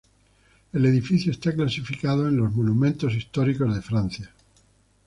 El edificio está clasificado en los "Monuments Historiques de France".